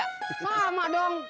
selamat malam pak dong